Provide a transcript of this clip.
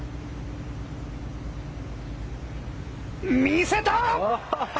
見せた！